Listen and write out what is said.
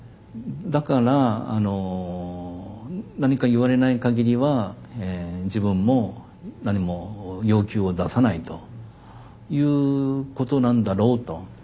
だから何か言われない限りは自分も何も要求を出さないということなんだろうと。